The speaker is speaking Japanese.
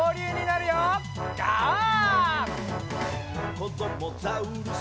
「こどもザウルス